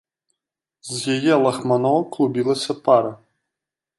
З яе лахманоў клубілася пара.